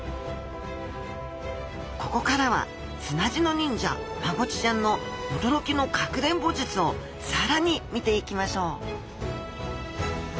ここからは砂地の忍者マゴチちゃんの驚きのかくれんぼ術を更に見ていきましょう！